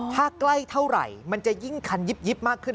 ถ้าใกล้เท่าไหร่มันจะยิ่งคันยิบมากขึ้น